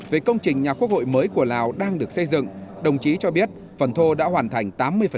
về công trình nhà quốc hội mới của lào đang được xây dựng đồng chí cho biết phần thô đã hoàn thành tám mươi